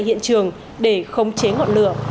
hiện trường để khống chế ngọn lửa